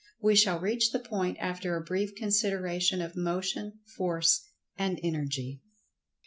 We shall reach the point after a brief consideration of Motion, Force and Energy.